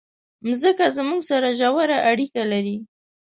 مځکه زموږ سره ژوره اړیکه لري.